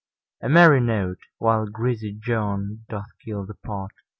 A merry note! While greasy Joan doth keel the pot.